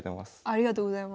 ありがとうございます。